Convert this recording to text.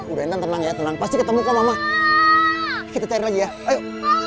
udah entar tenang ya tenang pasti ketemu kamu mama kita cari lagi ya ayo